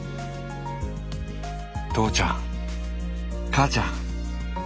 父ちゃん母ちゃん